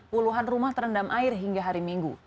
puluhan rumah terendam air hingga hari minggu